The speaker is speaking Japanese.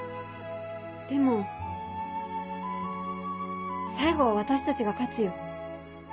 でも最後は私たちが勝つよ。